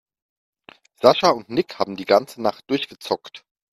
Sascha und Nick haben die ganze Nacht durchgezockt.